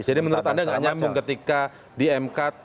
jadi menurut anda nggak nyambung ketika di m card